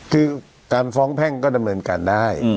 คือการฟ้องแพ่งก็ดำเนินการได้